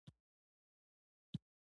ډېره لاره مو وهلې وه.